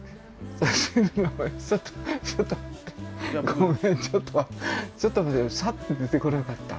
ごめんちょっとちょっとサッと出てこなかった。